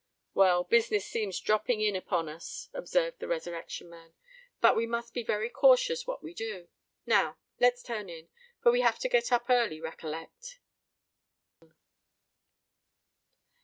"Well, business seems dropping in upon us," observed the Resurrection Man; "but we must be very cautious what we do. And now let's turn in, for we have to get up early, recollect."